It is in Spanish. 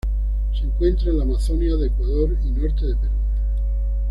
Se encuentra en la Amazonia de Ecuador y norte de Perú.